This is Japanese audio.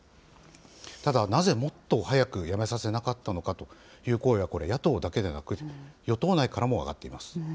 ただなぜもっと早く辞めさせなかったのかという声はこれ、野党だけでなく、与党内からも上がっています。